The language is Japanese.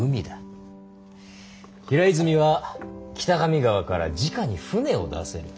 平泉は北上川からじかに船を出せる。